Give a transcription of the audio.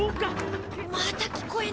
また聞こえない。